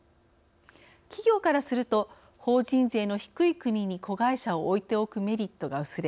企業からすると法人税の低い国に子会社を置いておくメリットが薄れ